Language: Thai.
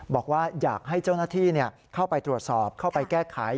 บอกว่าอยากให้เจ้าหน้าที่เข้าไปตรวจสอบเข้าไปแก้ไข